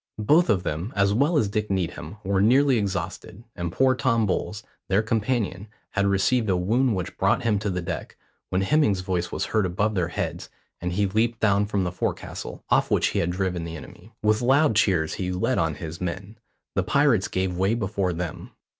Both of them, as well as Dick Needham, were nearly exhausted, and poor Tom Bowles, their companion, had received a wound which brought him to the deck, when Hemming's voice was heard above their heads, and he leaped down from the forecastle, off which he had driven the enemy. With loud cheers he led on his men; the pirates gave way before them.